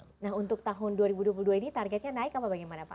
nah untuk tahun dua ribu dua puluh dua ini targetnya naik apa bagaimana pak